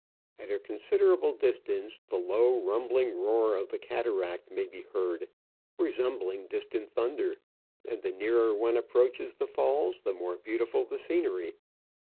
At a considerable distance the low, rumbling roar of the cataract may be heard, resembling distant thunder, and the nearer one approaches the falls the more beautiful the scenery.